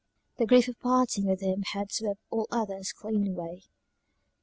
The grief of parting with him had swept all others clean away.